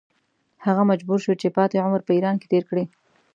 هغه مجبور شو چې پاتې عمر په ایران کې تېر کړي.